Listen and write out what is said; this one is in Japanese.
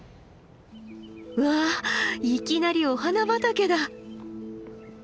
うわいきなりお花畑だ。